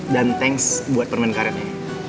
dan thanks buat permain karetnya